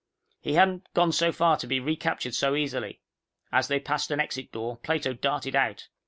He hadn't gone so far to be recaptured so easily. As they passed an exit door, Plato darted out.